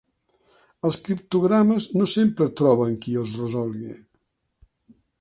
Els criptogrames no sempre troben qui els resolgui.